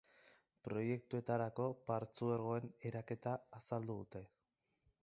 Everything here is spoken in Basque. Proiektuetarako partzuergoen eraketa azaldu dute.